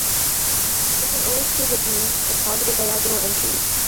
We can always choose a "D" with positive diagonal entries.